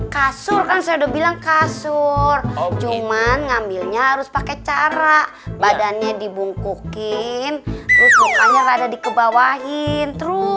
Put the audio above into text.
kasur kan saya udah bilang kasur cuman ngambilnya harus pakai cara badannya dibungkukin terus pokoknya rada dikebawahin